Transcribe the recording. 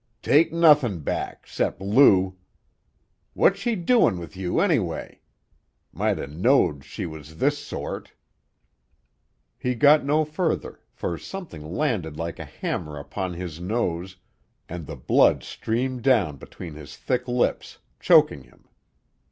"Take nothin' back, 'cept Lou! What's she doin' with you, anyway? Might ha' knowed she was this sort " He got no further, for something landed like a hammer upon his nose and the blood streamed down between his thick lips, choking him.